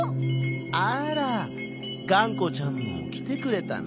あらがんこちゃんもきてくれたの？